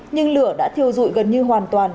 nhưng lửa đã thiêu dụi gần như hoàn toàn